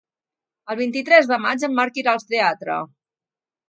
El vint-i-tres de maig en Marc irà al teatre.